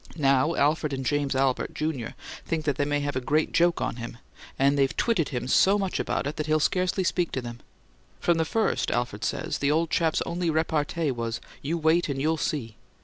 Now Alfred and James Albert, Junior, think they have a great joke on him; and they've twitted him so much about it he'll scarcely speak to them. From the first, Alfred says, the old chap's only repartee was, 'You wait and you'll see!'